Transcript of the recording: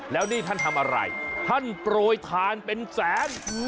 แล้วนี่ท่านทำอะไรท่านโปรยทานเป็นแสน